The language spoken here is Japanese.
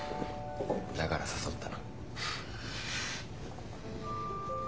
だから誘った。